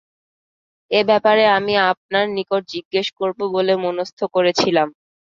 এ ব্যাপারে আমি আপনার নিকট জিজ্ঞেস করব বলে মনস্থ করেছিলাম।